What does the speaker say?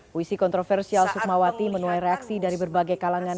puisi kontroversial sukmawati menuai reaksi dari berbagai kalangan